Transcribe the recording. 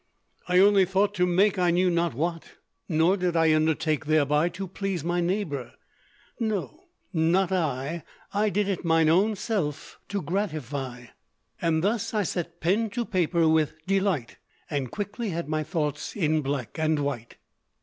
"I only thought to make I knew not what: nor did I undertake Thereby to please my neighbor; no, not I: I did it mine own self to gratify. ....... Thus I set pen to paper with delight, And quickly had my thoughts in black and white."